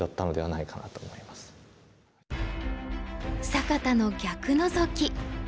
坂田の逆ノゾキ。